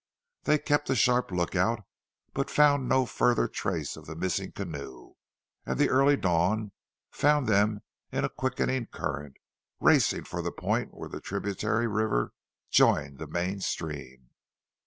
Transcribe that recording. They kept a sharp look out, but found no further trace of the missing canoe, and the early dawn found them in a quickening current, racing for the point where the tributary river joined the main stream.